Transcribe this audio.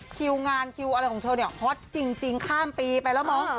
คิวงานคิวอะไรของเธอเนี่ยฮอตจริงข้ามปีไปแล้วมั้ง